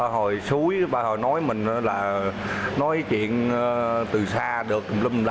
hồi suối bà hồi nói mình là nói chuyện từ xa được